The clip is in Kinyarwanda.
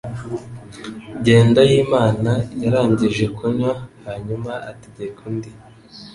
Jyendayimana yarangije kunywa, hanyuma ategeka undi.